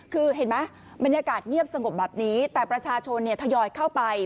คือเห็นไหมบรรยากาศเงียบสงบแบบนี้แต่ประชาชนเนี่ยทยอยเข้าไป